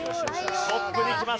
トップにきました。